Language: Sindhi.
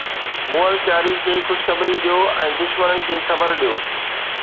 مئل چاري کي خوشخبري ڏيو ۽ دشمنن کي خبر ڏيو